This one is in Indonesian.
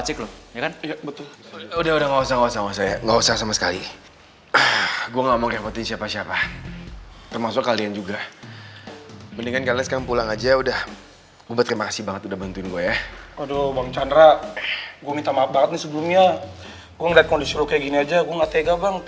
cek loh ya kan betul udah nggak usah nggak usah nggak usah sama sekali gue